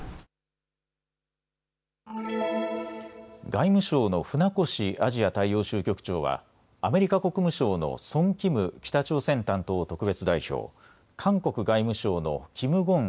外務省の船越アジア大洋州局長はアメリカ国務省のソン・キム北朝鮮担当特別代表、韓国外務省のキム・ゴン